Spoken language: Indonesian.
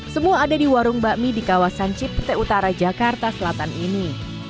semua ada di warung bakmi di kawasan cipte utara jakarta selatan ini